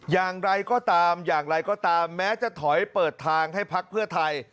อย่างไรก็ตามอย่างไรก็ตามแม้จะถอยเปิดทางให้พักเพื่อไทย